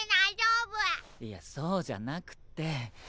いやそうじゃなくて。